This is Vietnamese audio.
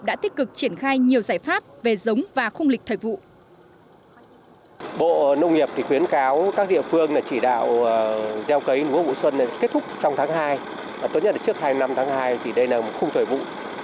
đã tích cực triển khai nhiều giải pháp về giống và khung lịch thời vụ